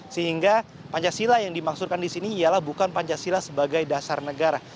sehingga pancasila yang dimaksudkan di sini ialah bukan pancasila sebagai dasar negara